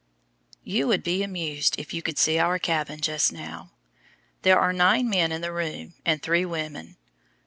You would be amused if you could see our cabin just now. There are nine men in the room and three women.